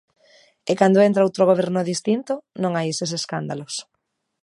E cando entra outro goberno distinto, non hai eses escándalos.